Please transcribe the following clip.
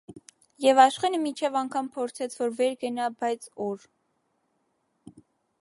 Եվ Աշխենը մինչև անգամ փորձեց, որ վեր կենա, բայց օր.